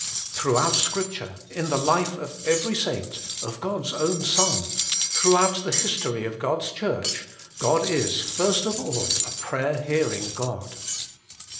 Throughout Scripture, in the life of every saint, of God s own Son, throughout the history of God s Church, God is, first of all, a prayer hearing God.